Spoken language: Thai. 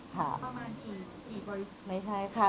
ประมาณกี่ปี